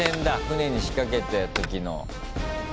船に仕掛けた時の。